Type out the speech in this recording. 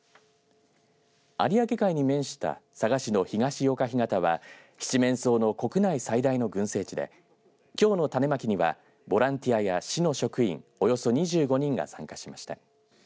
有明海に面した佐賀市の東よか干潟はシチメンソウの国内最大の群生地できょうの種まきにはボランティアや市の職員およそ２５人が参加しました。